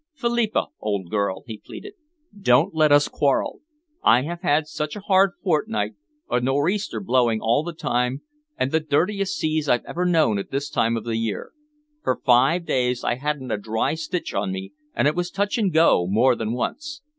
"Philippa, old girl," he pleaded, "don't let us quarrel. I have had such a hard fortnight, a nor'easter blowing all the time, and the dirtiest seas I've ever known at this time of the year. For five days I hadn't a dry stitch on me, and it was touch and go more than once.